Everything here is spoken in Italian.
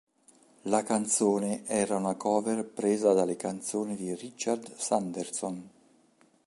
La canzone era una cover presa dalle canzoni di Richard Sanderson.